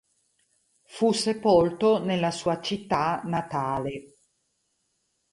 Fu sepolto nella sua città natale.